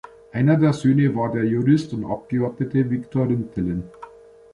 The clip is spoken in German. Einer der Söhne war der Jurist und Abgeordnete Viktor Rintelen.